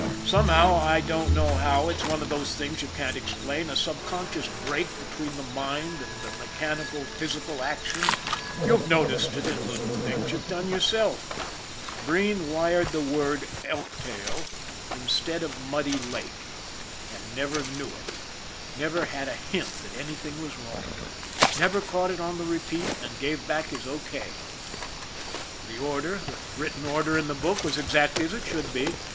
Somehow, I don't know how, it's one of those things you can't explain, a sub conscious break between the mind and the mechanical, physical action, you've noticed it in little things you've done yourself, Breen wired the word " Elktail " in "IF A MAN DIE" 49 stead of " Muddy Lake " and never knew it never had a hint that anything was wrong never caught it on the repeat, and gave back his O. K. The order, the written order in the book, was exactly as it should be.